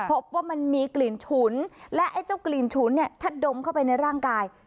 พบว่ามันมีกลิ่นฉุนและไอ้เจ้ากลิ่นฉุนเนี่ยถ้าดมเข้าไปในร่างกาย